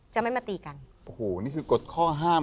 จะไม่มาตีกันโอ้โหนี่คือกฎข้อห้าม